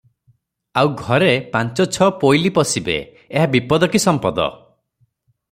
ଆଉ ଘରେ ପାଞ୍ଚ ଛ ଜଣ ପୋଇଲୀ ପଶିବେ, ଏହା ବିପଦ କି ସମ୍ପଦ ।